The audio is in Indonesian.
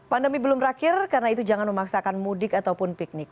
pandemi belum berakhir karena itu jangan memaksakan mudik ataupun piknik